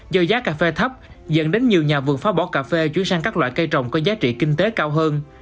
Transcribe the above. do giá cà phê thấp dẫn đến nhiều nhà vườn phá bỏ cà phê chuyển sang các loại cây trồng có giá trị kinh tế cao hơn